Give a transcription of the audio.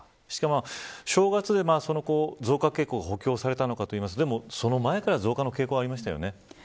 しかも、正月で増加傾向が補強されたのかというとでもその前から増加の傾向はありましたよね。